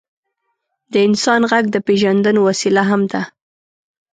د انسان ږغ د پېژندلو وسیله هم ده.